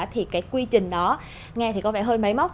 thì cái quy trình đó nghe thì có vẻ hơi máy móc